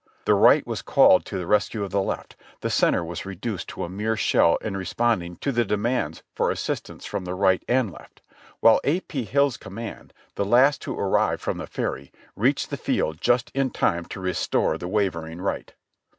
The right was called to the rescue of the left; the center was reduced to a mere sh.ell in responding to the demands for assistance from the right and left, while A. P. Hill's command, the last to arrive from the Ferry, reached the field just in time to restore the wavering right.